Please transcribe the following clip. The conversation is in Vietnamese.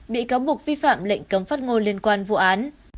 bị cáo buộc vi phạm lệnh cấm phát ngôn liên quan vụ án